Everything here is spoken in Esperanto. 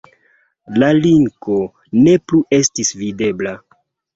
La linko ne plu estis videbla.